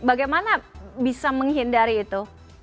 bagaimana bisa menghindari itu